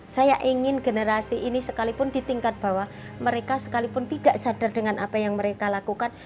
saya ingin generasi ini sekalipun di tingkat bawah mereka sekalipun tidak sadar dengan apa yang mereka lakukan